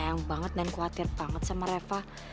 dia udah bilang banget dan khawatir banget sama reva